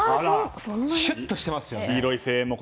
シュッとしてますね。